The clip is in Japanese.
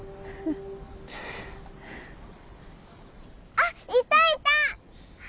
あっいたいた！